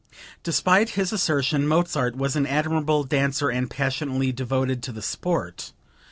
Despite his assertion Mozart was an admirable dancer and passionately devoted to the sport.